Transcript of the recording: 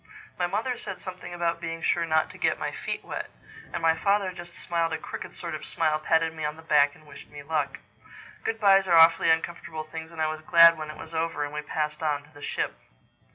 My mother said something about being sure not to get my feet wet; and my father just smiled a crooked sort of smile, patted me on the back and wished me luck. Good byes are awfully uncomfortable things and I was glad when it was over and we passed on to the ship.